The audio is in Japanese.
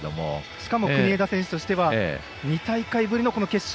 しかも国枝選手としては２大会ぶりの決勝。